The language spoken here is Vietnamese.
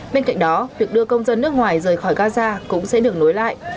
bên cạnh đó việc đưa công dân nước ngoài rời khỏi gaza cũng sẽ được nối lại